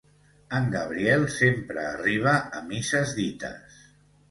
En Gabriel sempre arriba a misses dites.